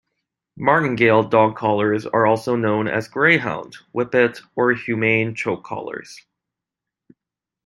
Martingale dog collars are also known as greyhound, whippet or humane choke collars.